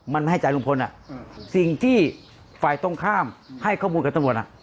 มันให้ใจลุงพลสิ่งที่ฝ่ายตรงข้ามให้ข้อมูลกับตำรวจ